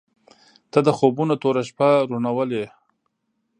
• ته د خوبونو توره شپه روڼولې.